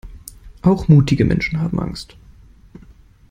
Auch mutige Menschen haben Angst.